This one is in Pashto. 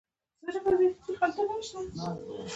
تر ځان له مشرانو سره نزاکت همېشه په یاد ساته!